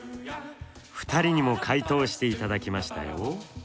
２人にも回答していただきましたよ。